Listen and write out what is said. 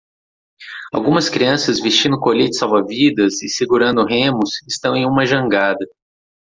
Algumas crianças vestindo coletes salva-vidas e segurando remos estão em uma jangada